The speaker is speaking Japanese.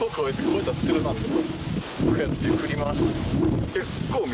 こうやって振り回して。